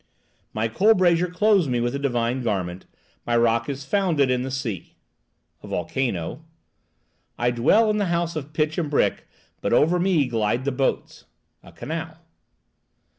"My coal brazier clothes me with a divine garment, my rock is founded in the sea" (a volcano). "I dwell in a house of pitch and brick, but over me glide the boats" (a canal).